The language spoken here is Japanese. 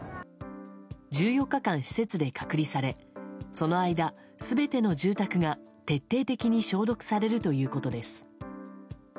１４日間施設で隔離されその間、全ての住宅が徹底的に消毒されるということです。